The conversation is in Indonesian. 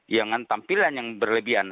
yang tampilan yang berlebihan